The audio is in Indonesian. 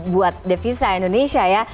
buat devisa indonesia ya